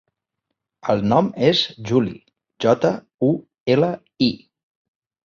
El nom és Juli: jota, u, ela, i.